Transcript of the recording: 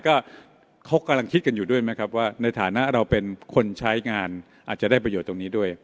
ก็เขากำลังคิดกันอยู่ด้วยไหมครับว่าในฐานะเราเป็นคนใช้งานอาจจะได้ประโยชน์ตรงนี้ด้วย